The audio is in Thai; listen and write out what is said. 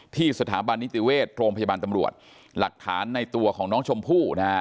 ที่สถาบันนิติเวศร์โพยบาลตำรวจหลักฐานในตัวของน้องชมพู่